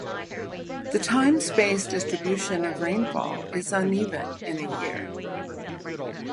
The time-space distribution of rainfall is uneven in a year.